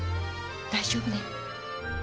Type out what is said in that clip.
大丈夫ね？